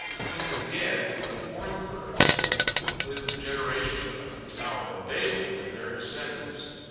In the Ge, the fourth earth, live the generation of the Tower of Babel and their descendants.